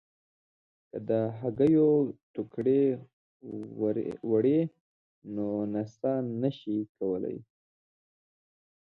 که د هګیو ټوکرۍ وړئ نو نڅا نه شئ کولای.